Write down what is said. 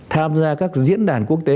tham gia các diễn đàn quốc tế